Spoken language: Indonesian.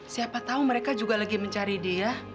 siapa tahu mereka juga lagi mencari dia